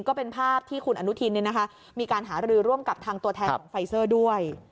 ก็เป็นภาพที่คุณอนุทินมีการหารือร่วมกับทางตัวแทนของไฟเซอร์ด้วย